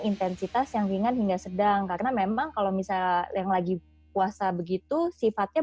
intensitas yang ringan hingga sedang karena memang kalau misalnya yang lagi puasa begitu sifatnya